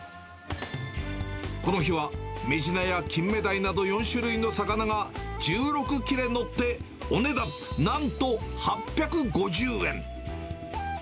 この日は、メジナやキンメダイなど４種類の魚が１６切れ載って、お値段なんと８５０円。